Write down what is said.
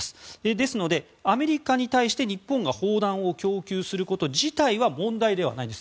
ですので、アメリカに対して日本が砲弾を供給すること自体は問題ではないんです。